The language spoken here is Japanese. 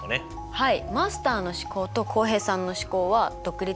はい。